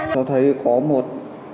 tôi thấy có một